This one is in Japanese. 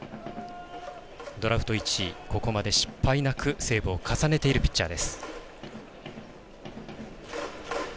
ドラフト１位、ここまで失敗なくセーブを重ねているピッチャー。